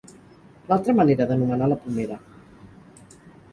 L'altra manera d'anomenar la pomera.